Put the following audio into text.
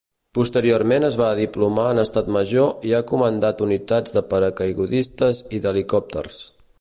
Posteriorment es va diplomar en Estat Major i ha comandat unitats de paracaigudistes i d'helicòpters.